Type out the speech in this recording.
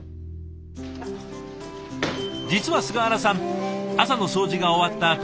実は菅原さん朝の掃除が終わった